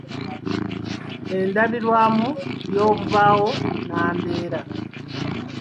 Endabirwamu y’obubaawo nnambeera